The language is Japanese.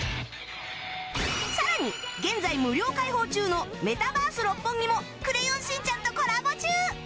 さらに現在無料開放中のメタバース六本木も『クレヨンしんちゃん』とコラボ中！